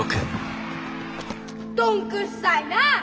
どんくっさいなあ。